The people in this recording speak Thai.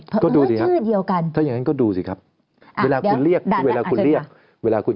เพราะเมื่อชื่อเดียวกัน